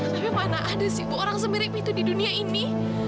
tapi mana ada sih bu orang semirip itu di dunia ini